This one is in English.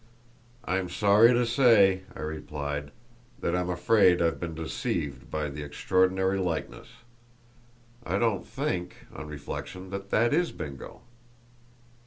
"I'm sorry to say," I replied, "that I'm afraid I've been deceived by the extraordinary likeness. I don't think, on reflection, that that is Bingo!"